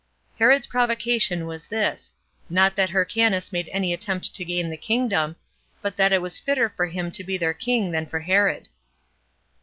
Herod's provocation was this, not that Hyrcanus made any attempt to gain the kingdom, but that it was fitter for him to be their king than for Herod.